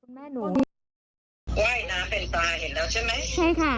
ว่ายน้ำเป็นปลาเห็นแล้วใช่ไหม